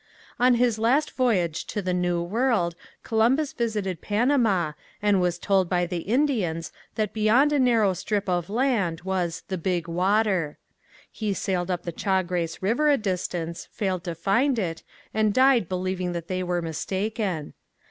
On his last voyage to the new world Columbus visited Panama and was told by the Indians that beyond a narrow strip of land was the "Big Water." He sailed up the Chagres river a distance, failed to find it, and died believing that they were mistaken.